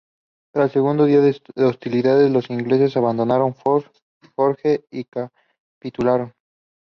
Pero al segundo día de hostilidades, los ingleses abandonaron Fort George y capitularon.